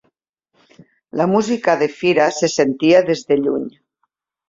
La música de fira se sentia des de lluny.